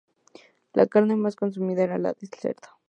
La carne más consumida era la de cerdo.